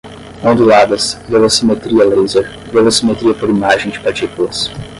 onduladas, velocimetria laser, velocimetria por imagem de partículas